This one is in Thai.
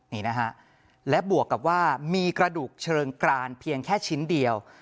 นี่นะฮะและบวกกับว่ามีกระดูกเชิงกรานเพียงแค่ชิ้นเดียว